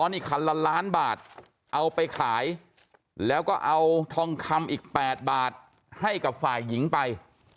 นี่คันละล้านบาทเอาไปขายแล้วก็เอาทองคำอีก๘บาทให้กับฝ่ายหญิงไป